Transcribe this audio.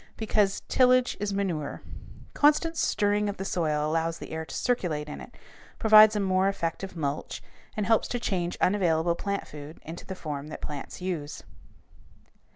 Because "tillage is manure." Constant stirring of the soil allows the air to circulate in it, provides a more effective mulch, and helps to change unavailable plant food into the form that plants use.